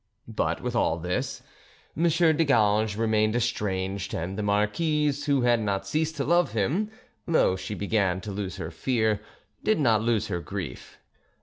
But with all this, M. de Ganges remained estranged, and the marquise, who had not ceased to love him, though she began to lose her fear, did not lose her grief.